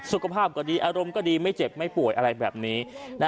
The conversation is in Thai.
สุขภาพก็ดีอารมณ์ก็ดีไม่เจ็บไม่ป่วยอะไรแบบนี้